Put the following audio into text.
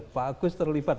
pak agus terlibat